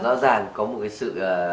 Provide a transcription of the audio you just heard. rõ ràng có một cái sự